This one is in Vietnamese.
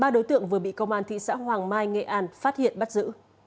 ba đối tượng vừa bị công an thị xã hoàng mai nghệ an phát hiện bắt giữ